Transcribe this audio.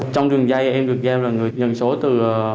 trong đường dây em được nghe là người nhận số từ